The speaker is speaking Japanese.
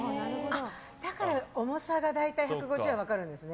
だから重さが大体１５０は分かるんですね。